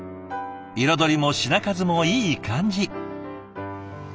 彩りも品数もいい感じ。